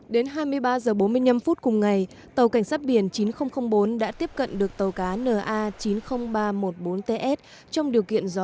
đến hai mươi ba giờ bốn mươi năm phút cùng ngày tàu csb chín nghìn bốn đã tiếp cận được tàu cá na chín mươi nghìn ba trăm một mươi bốn ts trong điều kiện gió